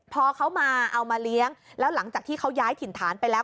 พอเขามาเอามาเลี้ยงแล้วหลังจากที่เขาย้ายถิ่นฐานไปแล้ว